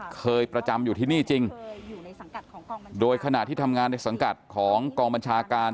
เคยประจำอยู่ที่นี่จริงโดยขณะที่ทำงานในสังกัดของกองบัญชาการ